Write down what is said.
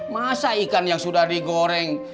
masa ikan yang sudah digoreng